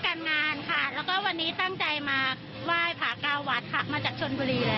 ก็มาของหน้าที่การงานค่ะแล้วก็วันนี้ตั้งใจมาไหว้พาเก้าวัดมาจากชนบุรี